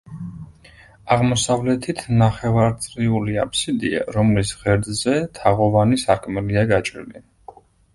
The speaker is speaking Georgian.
აღმოსავლეთით ნახევარწრიული აფსიდია, რომლის ღერძზე თაღოვანი სარკმელია გაჭრილი.